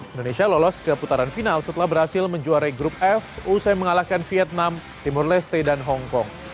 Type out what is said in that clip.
indonesia lolos ke putaran final setelah berhasil menjuarai grup f usai mengalahkan vietnam timur leste dan hongkong